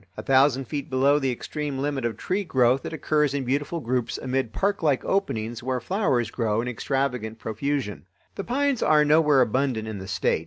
A thousand feet below the extreme limit of tree growth it occurs in beautiful groups amid parklike openings where flowers grow in extravagant profusion. The pines are nowhere abundant in the State.